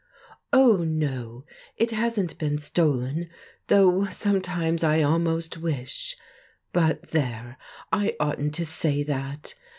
"Oh, no; it hasn't been stolen—though sometimes I almost wish—but there, I oughtn't to say that!